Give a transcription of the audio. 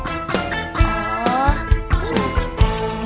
eh siang dud